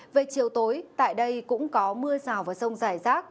về chiều tối tại đây cũng có mưa rào và rông rải rác